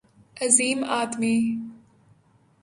عظیم آدمی